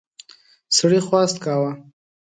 سړي خواست کاوه.